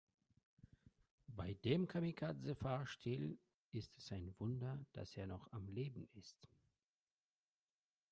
Bei dem Kamikaze-Fahrstil ist es ein Wunder, dass er noch am Leben ist.